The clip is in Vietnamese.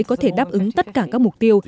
có thể đáp ứng tất cả các mục tiêu